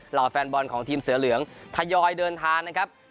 แฟนบอลของทีมเสือเหลืองทยอยเดินทางนะครับ